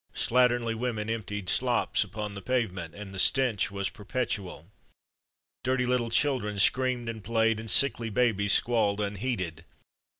Slatternly women emptied slops upon the pavement, and the stench was perpetual. Dirty little children screamed and played, and sickly babies squalled unheeded.